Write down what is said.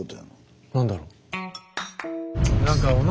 何だろう？